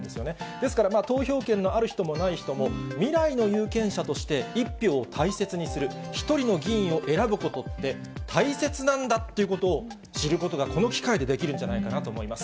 ですから、投票権のある人もない人も、未来の有権者として１票を大切にする、１人の議員を選ぶことって大切なんだってことを知ることが、この機会でできるんじゃないかと思います。